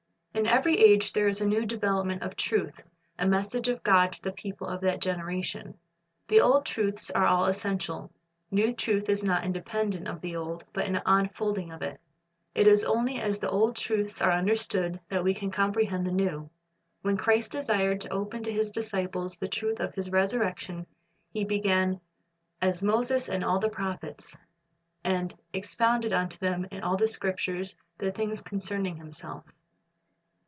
In every age there is a new development of truth, a message of God to the people of that generation. The old truths are all essential; new truth is not independent of the old, but an unfolding of it. It is only as the old truths are understood that we can comprehend the new. When Christ desired to open to His disciples the truth of His resurrection. He began "at Moses and all the prophets," 128 Christ's Object Lessons and "expounded unto them in all the Scriptures the things concerning Himself.'"